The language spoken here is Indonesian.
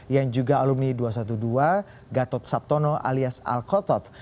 yang juga alumni dua ratus dua belas gatot sabtono alias al khotot